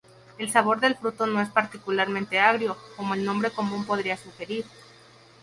El sabor del fruto no es particularmente agrio, como el nombre común podría sugerir.